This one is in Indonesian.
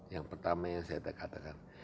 yang pertama yang saya katakan